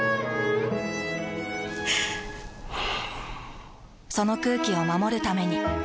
ふぅその空気を守るために。